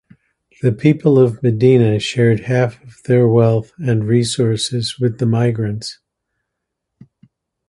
The people of Medina shared half of their wealth and resources with the migrants.